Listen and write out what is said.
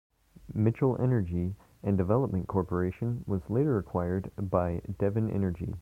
Mitchell Energy and Development Corporation was later acquired by Devon Energy.